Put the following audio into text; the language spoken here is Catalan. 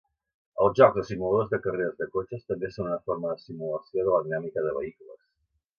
Els jocs o simuladors de carreres de cotxes també són una forma de simulació de la dinàmica de vehicles.